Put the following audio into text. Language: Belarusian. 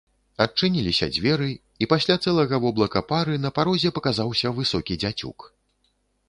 Адчыніліся дзверы, і пасля цэлага воблака пары на парозе паказаўся высокі дзяцюк.